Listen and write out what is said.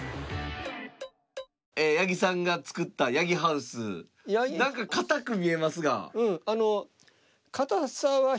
八木さんが作った八木ハウス何か堅く見えますが。